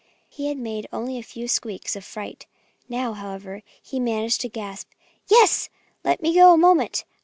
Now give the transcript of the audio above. He had made only a few squeaks of fright. Now, however, he managed to gasp, "Yes! Just let me go a moment!